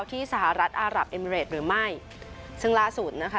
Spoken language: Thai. ที่สหรัฐอารับเอมิเรดหรือไม่ซึ่งล่าสุดนะคะ